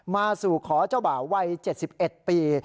มาสู่ขอเจ้าบ่าววัย๗๑ปี